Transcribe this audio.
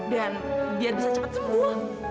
dan biar bisa cepat sembuh